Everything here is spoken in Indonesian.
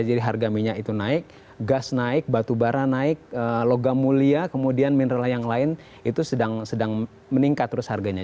jadi harga minyak itu naik gas naik batu bara naik logam mulia kemudian mineral yang lain itu sedang meningkat terus harganya